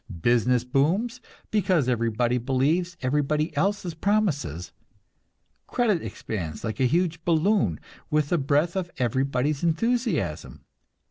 Business booms, because everybody believes everybody else's promises; credit expands like a huge balloon, with the breath of everybody's enthusiasm.